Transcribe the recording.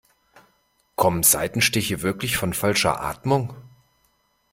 Kommen Seitenstiche wirklich von falscher Atmung?